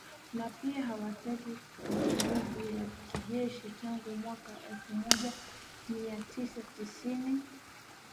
na pia hawataki mapinduzi ya kijeshi Tangu mwaka elfumoja miatisa sitini